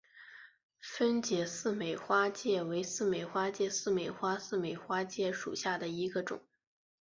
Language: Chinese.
分解似美花介为似美花介科似美花介属下的一个种。